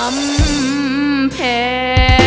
กำแพง